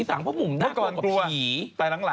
ส่วนหนุ่มแอฟอีกแล้ว